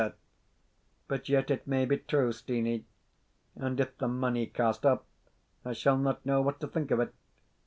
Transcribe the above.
But yet it may be true, Steenie; and if the money cast up, I shall not know what to think of it.